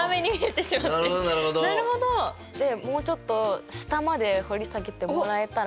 でもうちょっと下まで掘り下げてもらえたら。